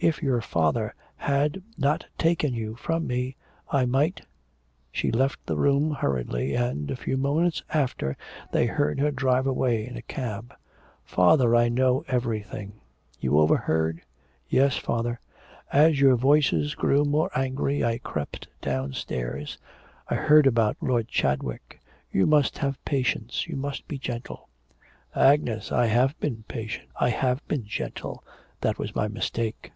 If your father had not taken you from me, I might ' She left the room hurriedly, and, a few moments after, they heard her drive away in a cab. 'Father, I know everything.' 'You overheard?' 'Yes, father. As your voices grew more angry I crept downstairs. I heard about Lord Chadwick. You must have patience; you must be gentle.' 'Agnes, I have been patient, I have been gentle. That was my mistake.'